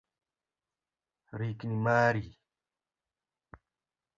Rikni mari.